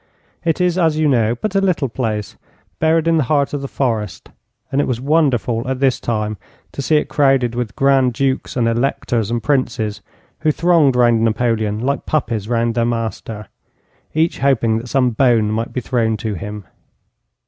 It is, as you know, but a little place, buried in the heart of the forest, and it was wonderful at this time to see it crowded with Grand Dukes and Electors and Princes, who thronged round Napoleon like puppies round their master, each hoping that some bone might be thrown to him.